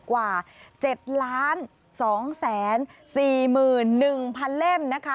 กว่า๗๒๔๑๐๐เล่มนะคะ